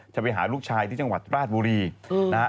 จะไปหาลูกชายที่จังหวัดราชบุรีนะฮะ